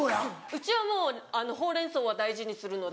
うちはもう報・連・相は大事にするので。